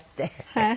はい。